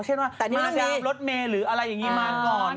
เช่นว่ามาทราบรถเมย์หรืออะไรอย่างนี้มาก่อน